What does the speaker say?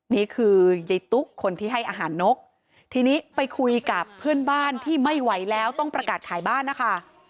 นี่คือยายตุ๊กคนที่ให้อาหารนกทีนี้ไปคุยกับเพื่อนบ้านที่ไม่ไหวแล้วต้องประกาศขายบ้านนะคะ